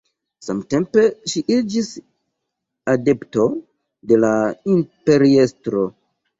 Samtempe ŝi iĝis adepto de la imperiestro.